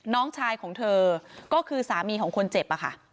น้องชายของเธอก็คือสามีของคนเจ็บอะค่ะ